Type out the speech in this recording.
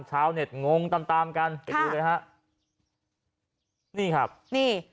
ชาวเน็ตงงตามตามกันไปดูเลยฮะนี่ครับนี่